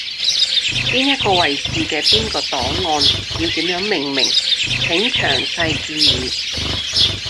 邊一個位置嘅邊個檔案要點樣命名，請詳細建議